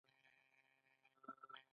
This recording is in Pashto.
نو ده به زرو کسانو ته مېلمستیا وکړه.